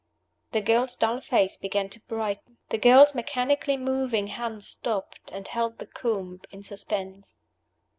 The girl's dull face began to brighten. The girl's mechanically moving hand stopped, and held the comb in suspense.